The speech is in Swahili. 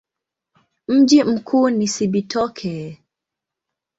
Mji mkuu ni Cibitoke.